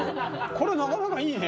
これなかなかいいね。